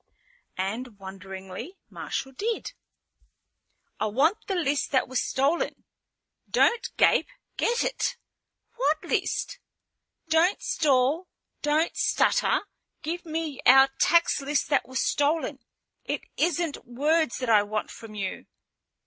And wonderingly Marshal did. "I want the list that was stolen. Don't gape! Get it!" "What list?" "Don't stall, don't stutter. Get me our tax list that was stolen. It isn't words that I want from you."